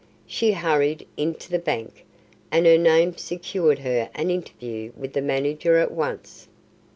She hurried into the bank, and her name secured her an interview with the manager at once.